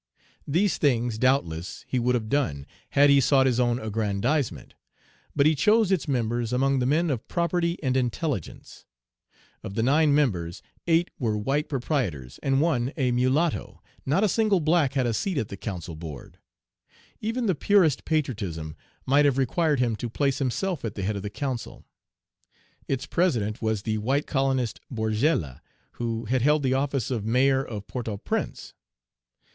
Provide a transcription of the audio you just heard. These things, doubtless, he would have done, had he sought his own aggrandizement. But he chose its members among the men of property and intelligence. Of the nine Page 139 members, eight were white proprietors, and one a mulatto; not a single black had a seat at the council board. Even the purest patriotism might have required him to place himself at the head of the council. Its president was the white colonist Borgella, who had held the office of Mayor of Port au Prince.